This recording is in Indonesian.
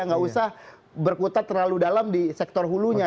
nggak usah berkutat terlalu dalam di sektor hulunya